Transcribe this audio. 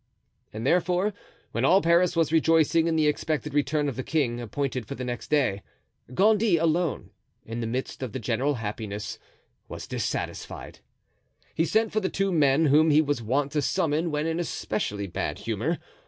And therefore, when all Paris was rejoicing in the expected return of the king, appointed for the next day, Gondy alone, in the midst of the general happiness, was dissatisfied; he sent for the two men whom he was wont to summon when in especially bad humor.